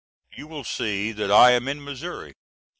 You will see that I am in Missouri.